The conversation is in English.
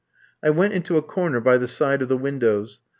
I went into a corner by the side of the windows.